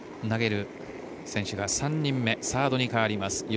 投げる選手が３人目サードに変わります。